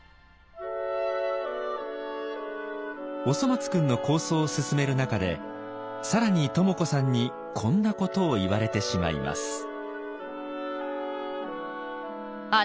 「おそ松くん」の構想を進める中で更に登茂子さんにこんなことを言われてしまいます。